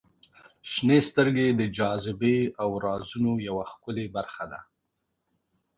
• شنې سترګې د جاذبې او رازونو یوه ښکلې برخه ده.